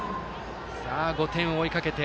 ５点を追いかけて。